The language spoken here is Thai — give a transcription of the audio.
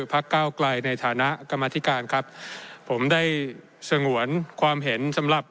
พักเก้าไกลในฐานะกรรมธิการครับผมได้สงวนความเห็นสำหรับ